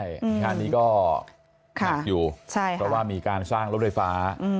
งานนี้ก็หนักอยู่เพราะว่ามีการสร้างรถไฟฟ้า